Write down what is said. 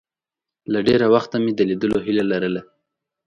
له ډېره وخته مې د لیدلو هیله لرله.